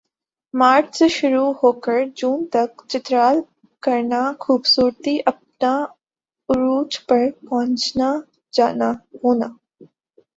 مارچ سے شروع ہوکر جون تک چترال کرنا خوبصورتی اپنا عروج پر پہنچنا جانا ہونا